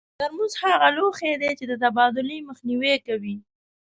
ترموز هغه لوښي دي چې د تبادلې مخنیوی کوي.